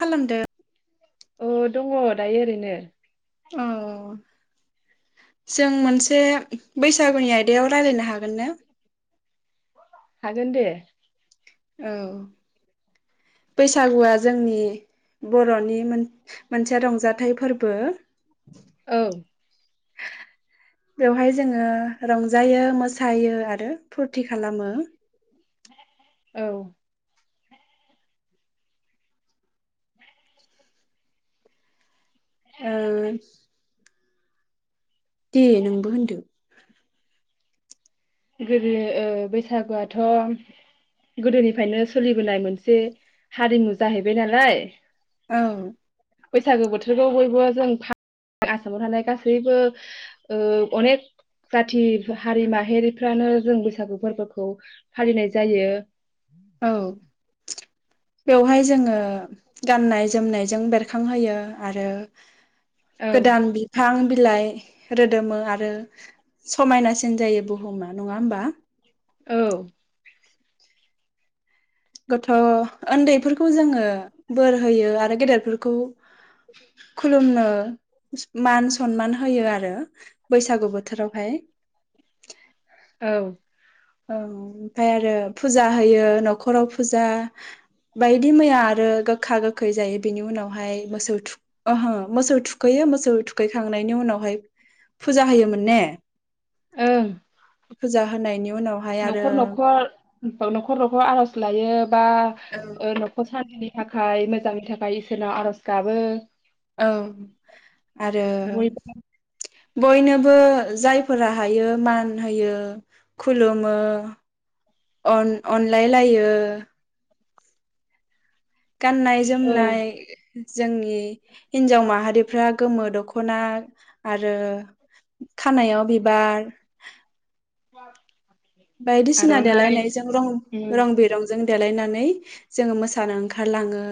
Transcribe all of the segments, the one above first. खालामदो औ दङ दायो ओरैनो औ जों मोनसे बैसागुनि आयदायाव रायलायनो हागोन ना? हागोन दे औ बैसागुआ जोंनि बर'नि मोनसे रंजाथाइ फोरबो औ बेवहाय जोङो रंजायो मोसायो आरो फुरथि खालामो औ [unintelligible] दे नोंबो होनदो गोदो बैसागुआथ' गोदोनिफ्रायनो सोलिबोनाय मोनसे हारिमु जाहैबाय नालाय औ बैसागु बोथोरखौ बयबो जों फा [unintelligible] आसामाव थानाय गासैबो अनेक जाथि हारि माहारिफ्रानो जों बैसागु फोरबोखौ फालिनाय जायो औ बेवहाय जोङो गाननाय जोमनायजों बेरखांहोयो आरो औ गोदान बिफां बिलाइ रोदोमो आरो समायनासिन जायो बुहुमा नङा होमबा औ गथ' उन्दैफोरखौ जोङो बोर होयो आरो गेदेरफोरखौ खुलुमनो मान सनमान होयो आरो बैसागु बोथोरावहाय औ ओ ओमफाय आरो फुजा होयो न'खराव फुजा बायदि मैया आरो गोखा गोखै जायो बिनि उनावहाय मोसौ थुख ओहो मोसौ थुखैयो मोसौ थुखैखांनायनि उनावहाय फुजा होयोमोन ने ओं फुजा होनायनि उनावहाय आरो न'खर न'खर न'खर न'खर आर'ज लायो बा नखर [unintelligible] थाखाय मोजांनि थाखाय इसोरनाव आर'ज गाबो औ आरो बयबो बयनोबो जायफोरा हायो मान होयो खुलुमो अन- अनलायलायो गाननाय औ जोमनाय जोंनि हिनजाव माहारिफ्रा गोमो दख'ना आरो खानायाव बिबार औ बायदिसिना देलायनायजों उम रं-रं बिरंजों देलायनानै जोङो मोसानो ओंखारलाङो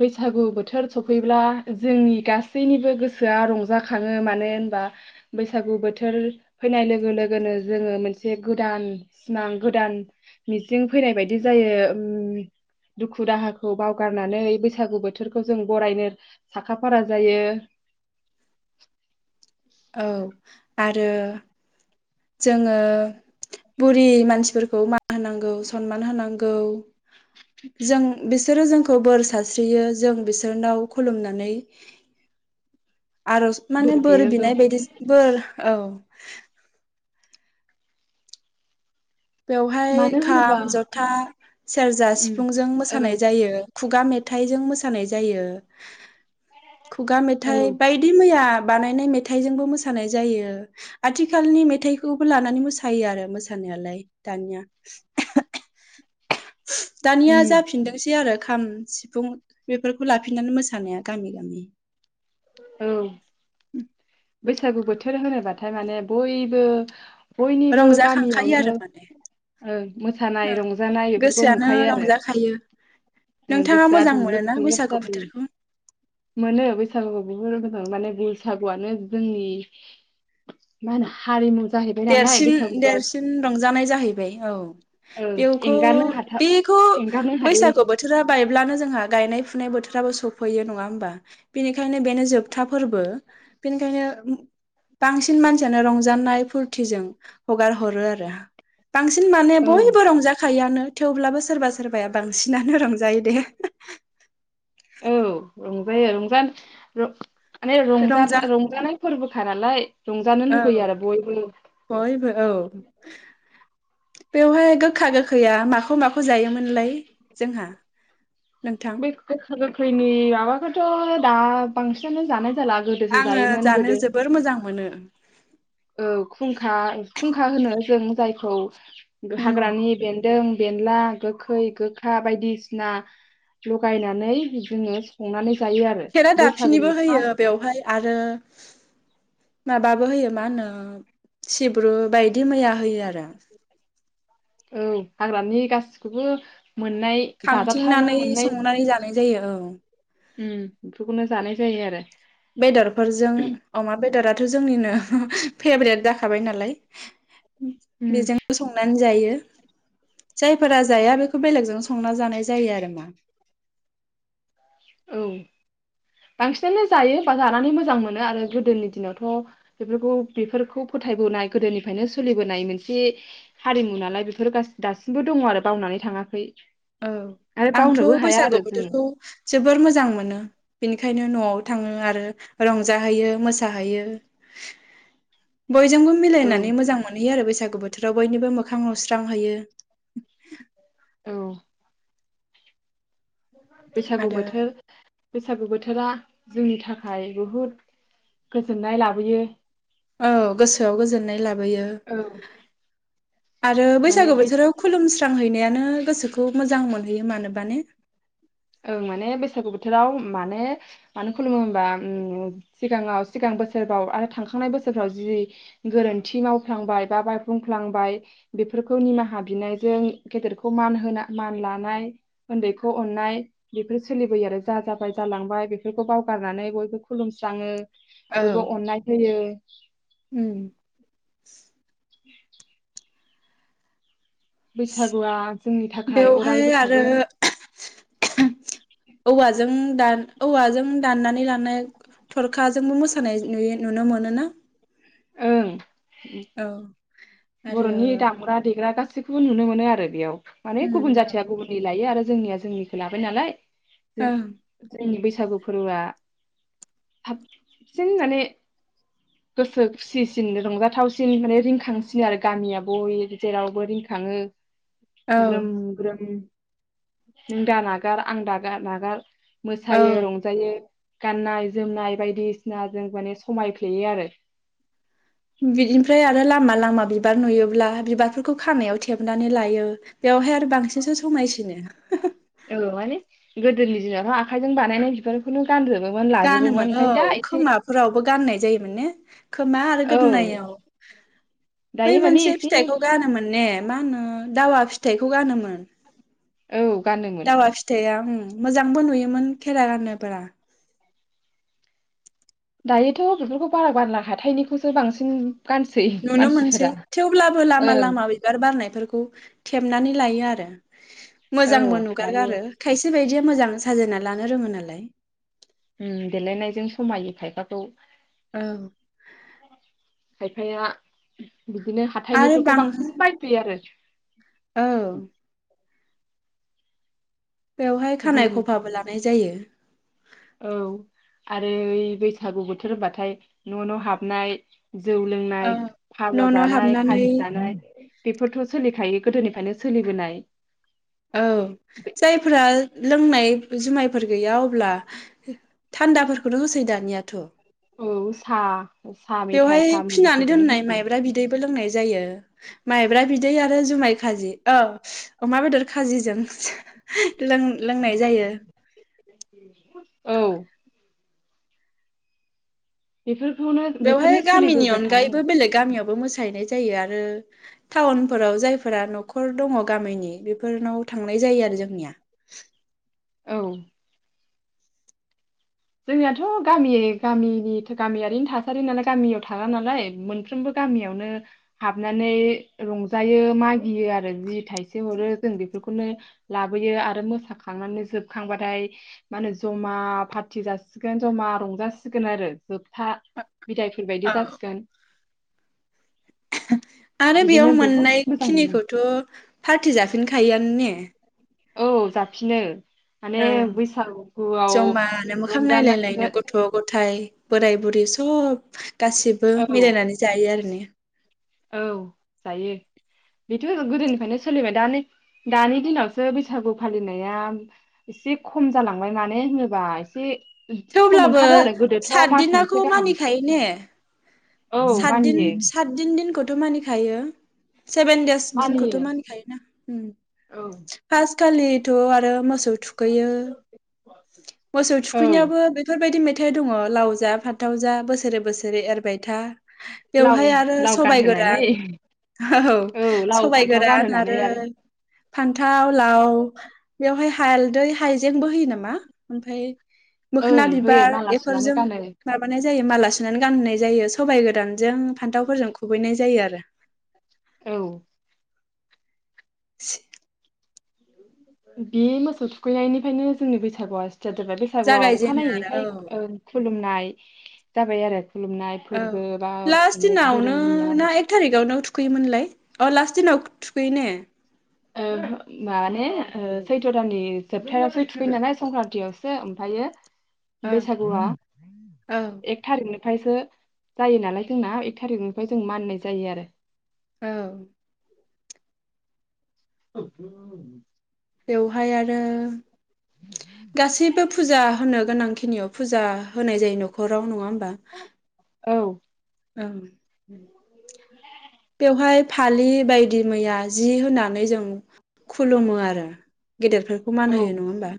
बैसागु बोथोर सफैब्ला जोंनि गासैनिबो गोसोआ रंजाखङो मानो होनबा बैसागु बोथोर फैनाय लोगो लोगोनो जोङो मोनसे गोदान सिमां गोदान मिजिं फैनाय बायदि जायो दुखु दाहाखौ बावगारनानै बैसागु बोथोरखौ जों बरायनो साखा फारा जायो औ आरो जोङो बुरि मानसिफोरखौ मान होनांगौ सनमान होनांगौ जों बिसोरो जोंखौ बोर सस्रियो जों बिसोरनाव खुलुमनानै आरज माने बोर बिनाय बायदि बोर औ बेवहाय मानो होनोबा खाम जथा सेरजा उम सिफुंजों औ मोसानाय जायो खुगा मेथाइ [unintelligible] जों मोसानाय जायो खुगा औ मेथाइ बायदि मैया बानायनाय मेथाइजोंबो मोसानाय जायो आथिखालनि मेथाइखौबो लानानै मोसायो आरो मोसानायालाय दानिया दानिया उम जाफिनदोंसै आरो खाम सिफुं बेफोरखौ ला फिनानै मोसानाया गामि गामि। औ बैसागु बोथोर होनोबाथाय माने बयबो बयनिबो रंजाखांखायो आरो गामियावनो माने मोसानाय ओ रंजानाय बेफोरखौ गोसोआनो नुखायो रंजाखायो आरो नोंथाङा गोसोआ मोजां दुंलोब मोनोना दुंलोब बैसागु जालायो बोथोरखौ मोनो बै [inaudible] औ माने बैसागुआनो जोंनि हारिमु जाहैबाय नालाय देरसिन बैसागुआ देरसिन रंजानाय जाहैबाय औ ओं बेखौ एंगारनो हाथाव बेखौ एंगारनो हायै बैसागु बोथोरा बायब्लानो जोंहा गायनाय फुनाय बोथोराबो सफैयो नङा हबा बिनि बेंखायनो बेनो जोबथा फोरबो बेनिखायनो बांसिन मानसियानो रंजानाय जों हगार हरो आरो बांसिन माने औ बयबो रंजाखायोआनो थेवब्लाबो सोरबा सोरबाया बांसिनानो रं जायो दे औ रंजायो रंजानो माने रंज रंजा रंजानाय फोरबोखा नालाय रंजानो लुगैयो औ आरो बयबो बयबो औ बेवहाय गोखा गोखैया माखौ माखौ जायोमोनलाय जोंहा नोंथां बे गोखा गोग्खै फैनि माबाखौथ' दा बांसिनानो जानाय जाला गोदोसो आङो जायोमोन गोदो जानो जोबोर मोजां मोनो। औ खुंखा खुंखा होनो जों जायखौ उम हाग्रानि बेन दों बेला गोखै गोखा बायदिसिना लगायनानै जोङो संनानै जायो आरो खेरादाफिनिबो बैसागुनि होयो फार्स्ट बेवहाय आरो माबाबो होयो मा होनो सिब्रु बाय दिमैया होयो आरो। औ हाग्रानि गासिखौबो मोननाय जाजाथावना खांथिंनानै मोननाय संनानै जानाय जायो औ। बेफोरखौनो जानाय जायो आरो। बेदरफोरजों अमा बेदरा थ' जोंनिनो फेभ्रेट जाखाबाय नालाय उम बेजों संनानै जायो। जायफोरा जाया बेखौ बेलेगजों संना जानाय जायो आरो मा। औ बांसिनानो जायो बा जानानै मोजां मोनो आरो गोदोनि दिनावथ' बेफोरखौ बेफोरखौ फोथायबोनाय गोदोनिफ्रायनो सोलिबोनाय मोनसे हारिमु नालाय बेफोर दासिमबो दङ आरो बावनानै थाङाखै औ आरो आंथ' बावनोबो हाया बैसागु आरो बोथोरखौ जों जोबोर मोजां मोनो बिनि खायनो न'आव थाङो आरो रंजाहैयो मोसाहैयो बयजोंबो औ मिलायनानै मोजां मोनहैयो आरो बैसागु बोथोराव बयनिबो मोखां नुस्रांहैयो औ बैसागु आरो बोथोर बैसागु बोथोरा जोंनि थाखाय बुहुद गोजोननाय लाबोयो औ गोसोआव गोजोननाय लाबो औ आरो माने बैसागु बै बोथोराव खुलुमस्रां हैनाया नों गोसोखौ मोजां मोन ओं माने बैसागु बोथोर राव माने मानो खुलुमो होनबा सिगाङाव सिगां बोसोरफ्राव आरो थांखांनाय बोसोरफ्राव जि गोरोन्थि मावफ्लांबाय बा बाय बुंफ्लांबाय बेफोरखौ निमाहा बिनायजों गेदेरखौ मान होना मान लानाय उन्दैखौ अननाय बेफोर सोलिबोयो आरो जा जाबाय जालांबाय बेफोरखौ बावगारनानै बयबो खुलुमस्राङो औ बयबो अननाय होयो [inaudible] [unintelligible] [inaudible] बैसागुआ जोंनि थाखाय बेवहाय अरायबो आरो थागोन औवाजों दा औवाजों दाननानै लानाय थरखाजोंबो मोसानाय नुयो नुनो मोनोना ओं औ आरो बर'नि दामग्रा दे ग्रा गासिखौबो नुनो मोनो आरो बेयाव माने गुबुन ओम जाथिया गुबुननि लायो आरो जोंनिया जोंनिखौ लाबाय नालाय औ जोंनि बे बैसागु फोरबोआ साबसिन माने गोसो खुसिसिन रंजाथावसिन माने रिंखांसि नो आरो गामिया [unintelligible] जेरावबो रिंखाङो औ ग्रोम ग्रोम नों दा नागार आं दागार नागार औ मोसायो रंजायो गाननाय जोमनाय बायदिसिना जों माने समायफ्लेयो आरो बिनिफ्राय आरो [unintelligible] बिबार नुयोब्ला बिबारफोरखौ खानायाव थेबनानै लायो बेवहाय आरो बांसिनसो समायसिनो औ माने गोदोनि दिनावथ' आखाइजों बानायनाय बिबारखौनो गानजोबोमोन लाजोबोमोन गानोमोन औ ओमफ्राय दा एसे खोमाफोरावबो गाननाय जायोमोन ने खोमा आरो औ गोदोनाव बै दायो माने मोनसे एसे फिथाइखौ गानोमोन ने मा होनो दावा फिथाइखौ गानोमोन औ गानोमोन दावा फिथाया ओ मोजांबो नुयोमोन खेेरा गानोब्ला दायोथ बेफोरखौ बारा गानला हाथायनिखौसो बांसिन गानसै नुनो मोनसै मानसिफोरा थेवब्लाबो लामा ओं लामा बिबार बारनायफोरखौ थेबनानै लायो आरो औ मोजांबो लायो नुगारगारो आरो खायसे बायदिया मोजां साजायना लानो रोङो नालाय उ देलायनायजों समायो खायफाखौ औ खायफाया बिदिनो आरो हाथाइनिफोरखौ बां बांसिन बायफैयो आरो औ बेवहाय जों खानाय खफाबो लानाय जायो औ आरो ओइ बैसागु बोथोर होनबाथाय न न हाबनाय जौ औ लोंनाय फाजा न' न' जानाय हाबनानै खाजि जानाय बेफोरथ सोलिखायो गोदोनिफ्रायनो सोलिबोनाय औ जायफोरा लोंनाय जुमाय फोर गैया अब्ला थान्दाफोरखौनो होसै दानियाथ औ साह साहा बेवहाय मेथाय साहा फिनानै मुरिफोरजोंनो दोननाय होसै माइब्रा बिदैबो लोंनाय जायो माइब्रा बिदै आरो जुमाय खाजि औ अमा बेदर खाजिजों लों लोंनाय जायो औ बेफोर बेवहाय गामिनि अनगायैबो बेलेग गामियावबो मोसा हैनाय जायो आरो फोराव जायफोरा नखर दङ गामिनि बेफोरनाव थांनाय जायो आरो जोंनिया औ जोंनियाथ गामि गामिनि गामियारिनि थासारि नालाय गामियाव थाङा नालाय मोनफ्रोमबो गामियावनो हाबनानै रंजायो मागियो आरो जि थाइसे हरो जों बेफोरखौनो लाबोयो आरो मोसाखांनानै जोबखांबाथाय मा होनो जमा फारथि फुथि जासिगोन जमा रंजासिगोन आरो जोब बिफा बिदायफोर बायदि औ जासिगोन आरो बिदिनो बेयाव बहुद मोननाय मोजां मोनो खिनिखौथ' पार्टि जाफिन खायोआनो ने औ जाफिनो माने ओं बैसागुआव जमानो मोखां नायलायलायनो रंजानाय गथ' गथाय बोराय बुरै सब गासिबो औ मिलायनानै जायो आरो ने औ जायो बेथ' गोदोनिफ्रायनो सोलिबाय दा दानि दिनावसो बैसागु फालिनाया एसे खम जालांबाय मानो होनोबा एसे खम थेवब्लाबो ओंखारो आरो गोदोथ' मास मोनसे सातदिनाखौ गाहाम मानिखायो ने औ सात दिन मानियो सात दिन दिनख थ' मानिखायो सेभेन देस दिनखौथ' मानियो मानिखायोना औ फास खालिथ' आरो मोसौ थुखैयो मोसौ औ थुखैनायाबो बेफोरबायदि मेथाइ दङ लाव जा फानथाव जा बोसोरे बोसोर जेरै एरबाय था लाव बेवहाय आरो लाव सबाइ गानहोनानै गोरान औ लाव सबाइ फान्थाव गोरान गानहोनानै आरो फानथाव लाव बेवहाय हालदै हाइजेंबो होयो नामा ओमफ्राय ओं मोखोना होयो बिबार माला सुनानै बेफोरजों गानो माबानाय जायो माला सुनानै गान होनाय जायो सबाइ गोरानजों फानथाव फोरजों खुबैनाय जायो आरो औ [inaudible] बे मोसौ थुखैनायनिफ्रायनो जोंनि बैसागुआ [unintelligible] बैसागुआव जागायजेनो आरो अखानायैनिफ्राय खुलुमनाय जाबाय आरो खुलुमनाय औ फोरबो बा लास्ट अनेक दिनावनो धोरोमनिया ना अनेक एक थारिखआवनो थु थुखैयोमोनलाय अ लास्ट दिनाव थुखैयो ने ओ माने सैथ' दाननि जोबथायावसो थुखैयो नालाय संक्रान्तियावसो ओमफ्रायो ओं बैसागुआ औ एक थारिखनो [unintelligible] जायो नालाय जोंना एक थारिकनिफ्राय जों माननाय जायो आरो औ [inaudible] बेवहाय आरो गासैबो फुजा होनो गोनां खिनियाव फुजा होनाय जायो न'खराव नङा हो बा औ ओं ओम बेवहाय फालि बायदि मैया जि होनानै जों खुलुमो आरो गेदेरफोरखौ मान औ होयो नङा होमबा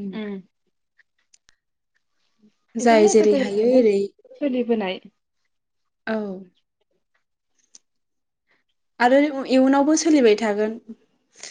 ओम उम जाय बेफोरलाय जेरै हायो गोदोनिफायनो एरै सोलिबोनाय औ आरो इयुनावबो सोलिबाय थागोन